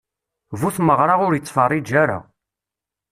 Bu tmeɣṛa ur ittfeṛṛiǧ ara.